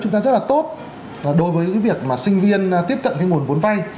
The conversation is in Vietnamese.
chúng ta rất là tốt đối với những việc mà sinh viên tiếp cận cái nguồn vốn vay